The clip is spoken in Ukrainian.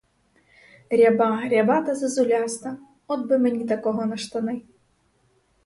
Ряба, ряба та зозуляста, от би мені такого на штани!